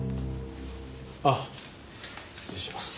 あっ失礼します。